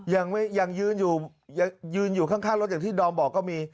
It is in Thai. ยังยืนอยู่ข้างรถอย่างที่ดอมบอกก็มี